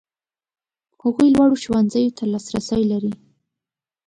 هغوی لوړو ښوونځیو ته لاسرسی لري.